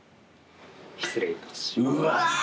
失礼いたします。